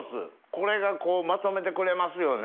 これがまとめてくれますよね。